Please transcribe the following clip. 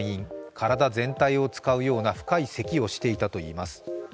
体全体を使うような深いせきをしていたといいます。